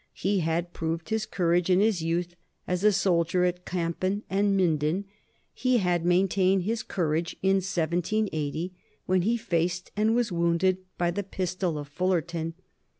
He had proved his courage in his youth as a soldier at Campen and Minden; he had maintained his courage in 1780 when he faced and was wounded by the pistol of Fullarton.